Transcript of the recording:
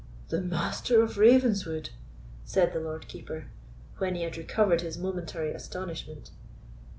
"The Master of Ravenswood!" said the Lord Keeper, when he had recovered his momentary astonishment.